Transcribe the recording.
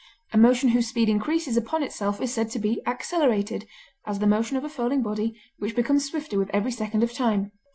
A motion whose speed increases upon itself is said to be accelerated, as the motion of a falling body, which becomes swifter with every second of time.